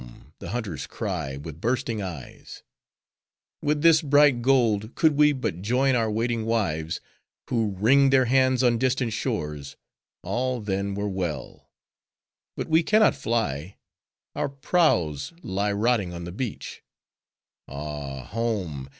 the hunters cry, with bursting eyes. 'With this bright gold, could we but join our waiting wives, who wring their hands on distant shores, all then were well. But we can not fly; our prows lie rotting on the beach. Ah! home!